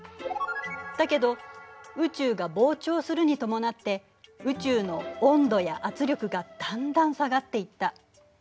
だけど宇宙が膨張するに伴って宇宙の温度や圧力がだんだん下がっていった。